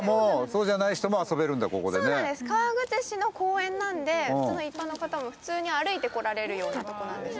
川口市の公園なんで、一般の方も普通に歩いて来られるような所なんです。